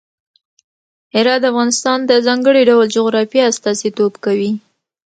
هرات د افغانستان د ځانګړي ډول جغرافیه استازیتوب کوي.